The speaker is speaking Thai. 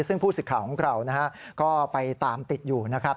ซึ่งผู้สิทธิ์ข่าวของเราก็ไปตามติดอยู่นะครับ